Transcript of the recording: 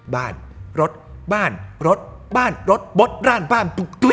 บ้านรถบ้านรถบ้านรถบดร่านบ้านทุก